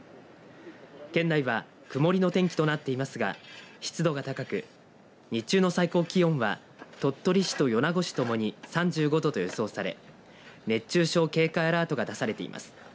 県内は曇りの天気となっていますが湿度が高く日中の最高気温は鳥取市と米子市ともに３５度と予想され熱中症警戒アラートが出されています。